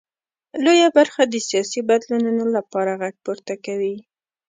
لویه برخه د سیاسي بدلونونو لپاره غږ پورته کوي.